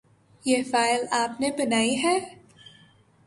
یہ فائل آپ نے بنائی ہے ؟